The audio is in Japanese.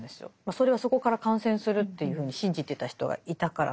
それはそこから感染するっていうふうに信じてた人がいたからなんですけど。